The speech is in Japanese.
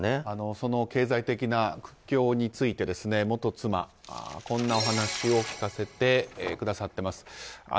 その経済的な苦境について元妻、こんなお話を聞かせてくださっています。